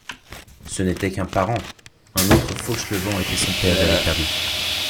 Ce n’était qu’un parent ; un autre Fauchelevent était son père véritable.